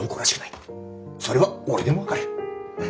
それは俺でも分かる。